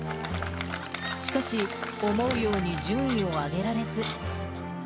しかし、思うように順位を上げられず。